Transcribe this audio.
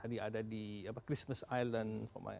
tadi ada di christmas island